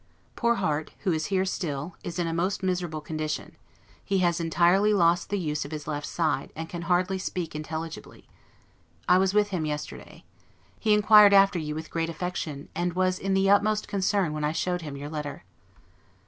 Poor Harte, who is here still, is in a most miserable condition: he has entirely lost the use of his left side, and can hardly speak intelligibly. I was with him yesterday. He inquired after you with great affection, and was in the utmost concern when I showed him your letter.